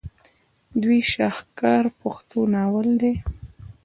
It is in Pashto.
د دوي شاهکار پښتو ناول دے